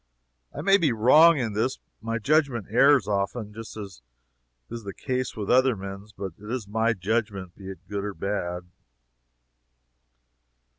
I may be wrong in this my judgment errs often, just as is the case with other men's but it is my judgment, be it good or bad.